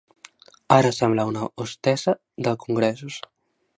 Ara sembla una hostessa de congressos.